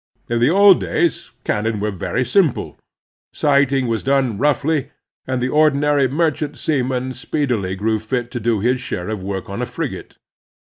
In the old days cannon were very simple; sighting was done roughly ; and the ordinary merchant sea man speedily grew fit to do his share of work on a frigate.